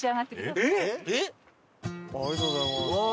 ありがとうございます。